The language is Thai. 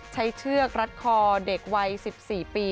เชือกรัดคอเด็กวัย๑๔ปี